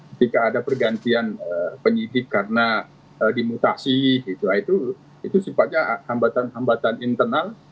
ketika ada pergantian penyidik karena dimutasi itu sifatnya hambatan hambatan internal